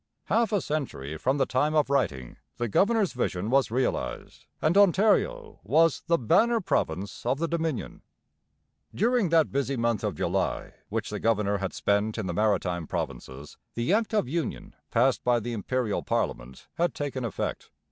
Half a century from the time of writing the governor's vision was realized and Ontario was the 'banner province' of the Dominion. During that busy month of July which the governor had spent in the Maritime Provinces the Act of Union passed by the Imperial parliament had taken effect.